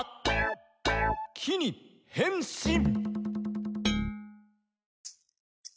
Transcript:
「『き』にへんしん」